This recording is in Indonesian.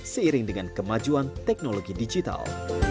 seiring dengan kemajuan teknologi digital